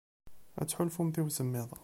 Ad tḥulfumt i usemmiḍ.